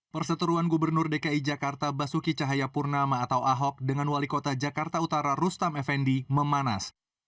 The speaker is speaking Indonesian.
perseteruan gubernur dki jakarta basuki cahayapurnama atau ahok dengan wali kota jakarta utara rustam effendi memanas